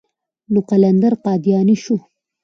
نو قلندر قادياني شو.